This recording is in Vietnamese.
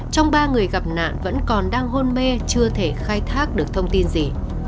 trong ba người gặp nạn vẫn còn đang hôn mê chưa thể khai thác được thông tin gì